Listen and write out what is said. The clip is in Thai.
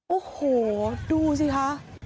โอ้โหดูสิคะ